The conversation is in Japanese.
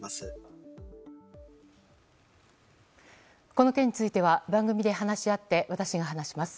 この件については番組で話し合って私が話します。